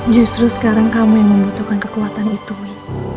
justru sekarang kamu yang membutuhkan kekuatan itu